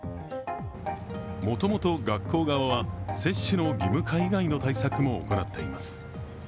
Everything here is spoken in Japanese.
もともと学校側は接種の義務化以外の対策も行っています。